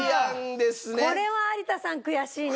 これは有田さん悔しいね。